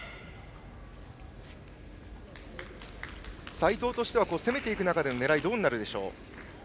齊藤としては攻めていく中での狙いはどうなるでしょうか。